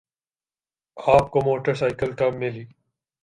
آپ کو motorcycle کب ملی؟